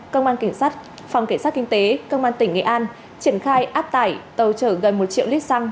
công an cảnh sát phòng cảnh sát kinh tế công an tỉnh nghệ an triển khai áp tải tàu trở gần một triệu lít xăng